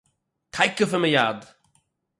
תיכף ומיד